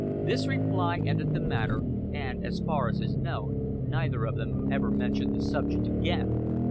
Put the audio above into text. This reply ended the matter, and as far as is known, neither of them ever mentioned the subject again.